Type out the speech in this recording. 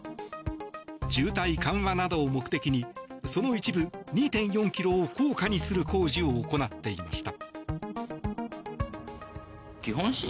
渋滞緩和などを目的にその一部、２．４ｋｍを高架にする工事を行っていました。